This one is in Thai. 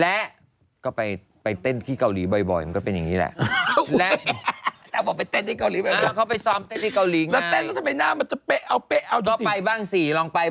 และก็ไปเต้นที่เกาหลีบ่อยมันก็เป็นอย่างนี้แหละ